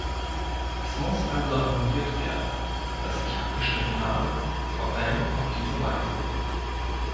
Es muss also annulliert werden, dass ich abgestimmt habe, vor allem auf diese Weise.